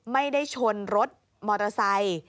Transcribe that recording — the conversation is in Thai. ไม่ได้ชนรถมอเตอร์ไซค์